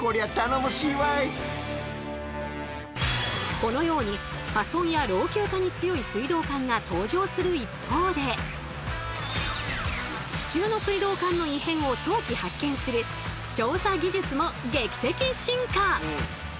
このように破損や老朽化に強い水道管が登場する一方で地中の水道管の異変を早期発見する調査技術も劇的進化！